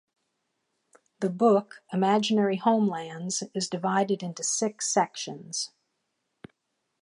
The book 'Imaginary Homelands' is divided into six sections.